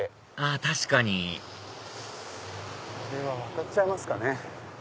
あ確かにこれは渡っちゃいますかね。